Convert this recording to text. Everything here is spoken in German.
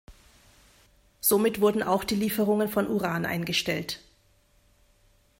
Somit wurden auch die Lieferungen von Uran eingestellt.